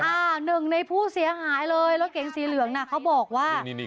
หนึ่งในผู้เสียหายเลยรถเก๋งสีเหลืองน่ะเขาบอกว่า